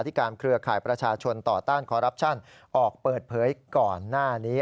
การเครือข่ายประชาชนต่อต้านคอรัปชั่นออกเปิดเผยก่อนหน้านี้